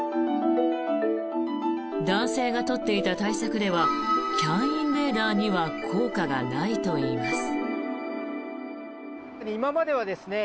男性が取っていた対策ではＣＡＮインベーダーには効果がないといいます。